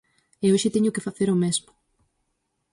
E hoxe teño que facer o mesmo.